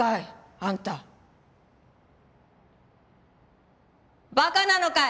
あんたバカなのかい？